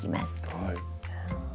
はい。